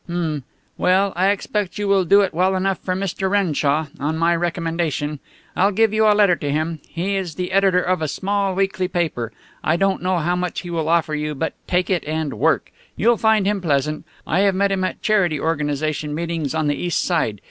"H'm. Well, I expect you will do it well enough for Mr. Renshaw on my recommendation. I'll give you a letter to him. He is the editor of a small weekly paper. I don't know how much he will offer you, but take it and work! You'll find him pleasant. I have met him at charity organization meetings on the East Side.